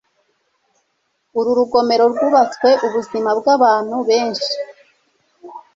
Uru rugomero rwubatswe ubuzima bwabantu benshi.